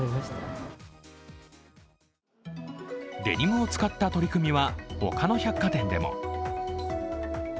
デニムを使った取り組みは他の百貨店でも。